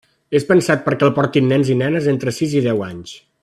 És pensat perquè el portin nens i nenes entre sis i deu anys.